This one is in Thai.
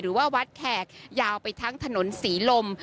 หรือว่าวัดแขกยาวไปทั้งถนนศรีลม